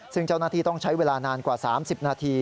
ซึ่งเจ้าหน้าที่ต้องใช้เวลานานกว่า๓๐นาที